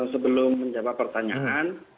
sebelum menjawab pertanyaan